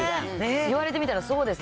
言われてみたら、そうですね。